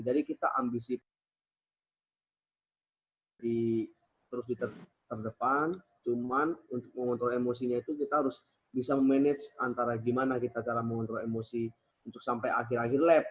jadi kita ambisi terus di terdepan cuman untuk mengontrol emosinya itu kita harus bisa manage antara gimana kita cara mengontrol emosi untuk sampai akhir akhir lab